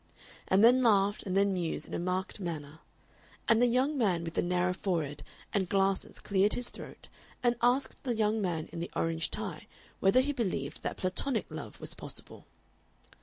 and then laughed and then mused in a marked manner; and the young man with the narrow forehead and glasses cleared his throat and asked the young man in the orange tie whether he believed that Platonic love was possible.